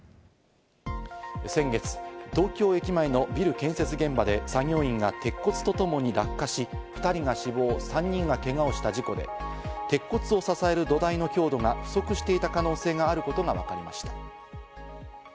先月、東京駅前のビル建設現場で作業員が鉄骨とともに落下し、２人が死亡、３人がけがをした事故で、鉄骨を支える土台の強度が不足していた可能性があることがわかりました。